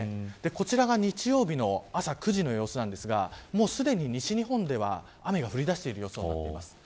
こちらが日曜日の朝９時の様子なんですがもうすでに西日本では雨が降り出している予想になっています。